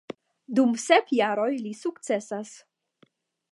Dum sep jaroj li sukcesas.